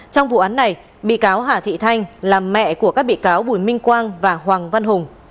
trong vụ án này bị cáo hà thị thanh là mẹ của các bị cáo bùi minh quang và hoàng văn hùng